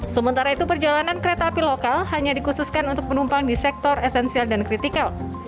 sementara itu perjalanan kereta api lokal hanya dikhususkan untuk penumpang di sektor esensial dan kritikal